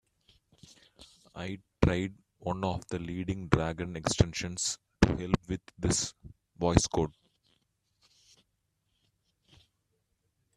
I tried one of the leading Dragon extensions to help with this, Voice Code.